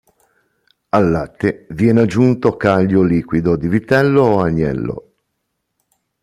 Al latte viene aggiunto caglio liquido di vitello o agnello.